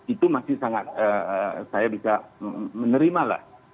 itu masih sangat saya bisa menerima lah